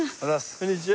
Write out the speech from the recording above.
こんにちは。